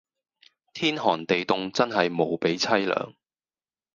天寒地涷真係無比淒涼